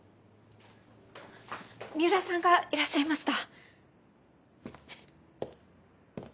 三浦さんがいらっしゃいました。